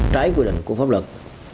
trái quy định của pháp luật